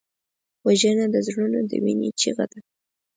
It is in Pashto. وژنه د زړونو د وینې چیغه ده